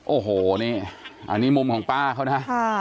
โอ้โหนี่อันนี้มุมของป้าเขานะ